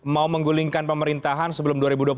mau menggulingkan pemerintahan sebelum dua ribu dua puluh